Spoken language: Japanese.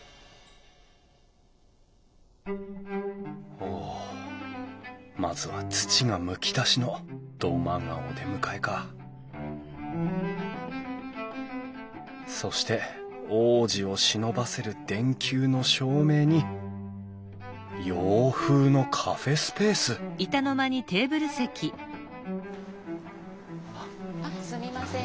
おおまずは土がむき出しの土間がお出迎えかそして往時をしのばせる電球の照明に洋風のカフェスペースあっすみません